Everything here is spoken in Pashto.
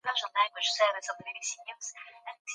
ريدی خان مومند د شاه حسين له تشويق څخه برخمن شو.